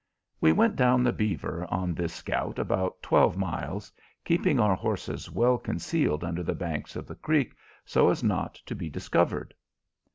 We went down the Beaver on this scout about twelve miles, keeping our horses well concealed under the banks of the creek, so as not to be discovered.